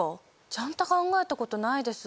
ちゃんと考えたことないです。